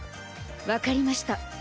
分かりました。